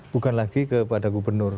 bukan lagi kepada gubernur